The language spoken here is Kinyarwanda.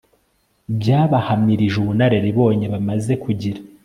byabahamirije ubunararibonye bamaze kugira